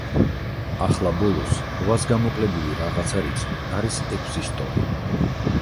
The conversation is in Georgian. ახლა ბოლოს, რვას გამოკლებული „რაღაცა“ რიცხვი არის ექვსის ტოლი.